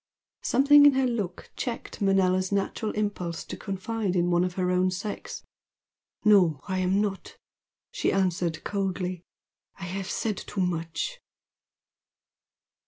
Something in her look checked Manella's natural impulse to confide in one of her own sex. "No, I am not!" she answered coldly "I have said too much."